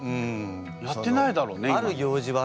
やってないだろうねいま。